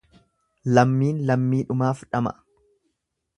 Lammiin lammiidhumaaf dhama'a.